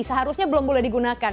seharusnya belum boleh digunakan